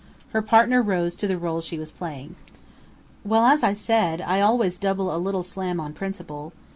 Her partner rose to the role she was playing. "Well, as I said, I always double a little slam on principle.